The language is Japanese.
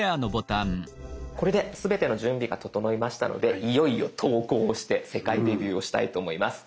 これですべての準備が整いましたのでいよいよ投稿をして世界デビューをしたいと思います。